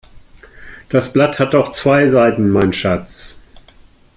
Das Blatt hat doch zwei Seiten mein Schatz.